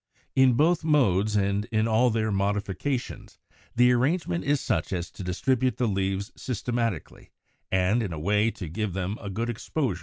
In both modes and in all their modifications, the arrangement is such as to distribute the leaves systematically and in a way to give them a good exposure to the light.